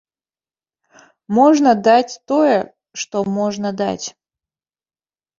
Можна даць тое, што можна даць.